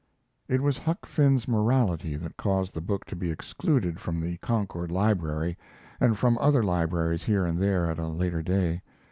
It was Huck Finn's morality that caused the book to be excluded from the Concord Library, and from other libraries here and there at a later day.